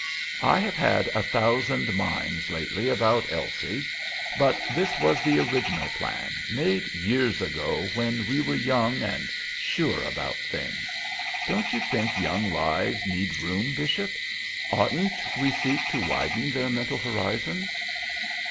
I have had a thousand minds lately about Elsie, but this was the original plan, made years ago, when we were young and sure about things. Don't you think young lives need room, Bishop? Oughtn't we to seek to widen their mental horizons?"